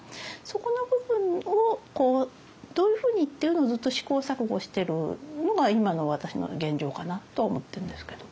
そこの部分をどういうふうにっていうのをずっと試行錯誤してるのが今の私の現状かなと思ってるんですけど。